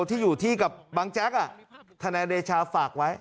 ที่อยู่ที่กับบังแจ๊กธนายเดชาฝากไว้